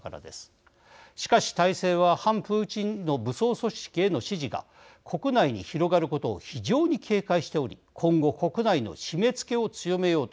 しかし体制は反プーチンの武装組織への支持が国内に広がることを非常に警戒しており今後国内の締めつけを強めようとするでしょう。